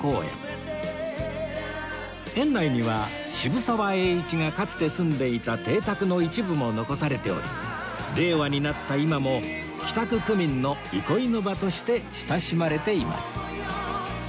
園内には渋沢栄一がかつて住んでいた邸宅の一部も残されており令和になった今も北区区民の憩いの場として親しまれています